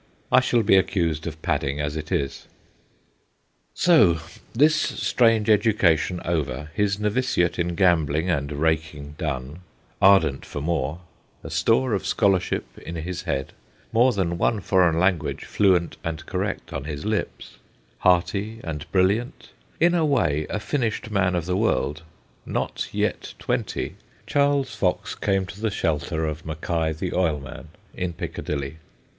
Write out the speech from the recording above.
I shall be accused of padding, as it is. So, this strange education over, his novitiate in gambling and raking done, ardent for more, a store of scholarship in his head, more than one foreign language fluent and correct on his lips, hearty and brilliant, in a way a finished man of the world, not yet twenty, Charles Fox came to the shelter of Mackie the oilman, in Piccadilly.